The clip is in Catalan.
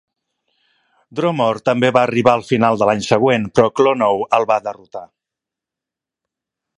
Dromore també va arribar al final de l'any següent, però Clonoe el va derrotar.